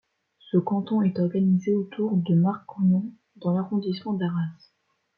Ce canton est organisé autour de Marquion dans l'arrondissement d'Arras.